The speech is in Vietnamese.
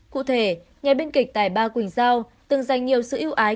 cụ thể nhà biên kịch tài ba quỳnh giao từng dành nhiều sự yêu ái